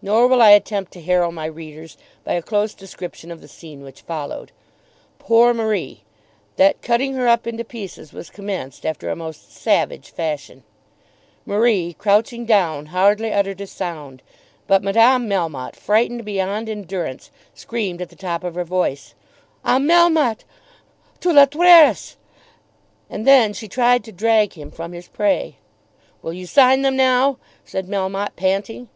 Nor will I attempt to harrow my readers by a close description of the scene which followed. Poor Marie! That cutting her up into pieces was commenced after a most savage fashion. Marie crouching down hardly uttered a sound. But Madame Melmotte frightened beyond endurance screamed at the top of her voice, "Ah, Melmotte, tu la tueras!" And then she tried to drag him from his prey. "Will you sign them now?" said Melmotte, panting.